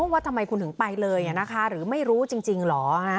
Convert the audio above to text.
ว่าทำไมคุณถึงไปเลยหรือไม่รู้จริงเหรอ